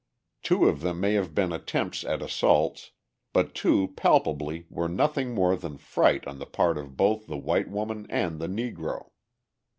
Two of them may have been attempts at assaults, but two palpably were nothing more than fright on the part of both the white woman and the Negro.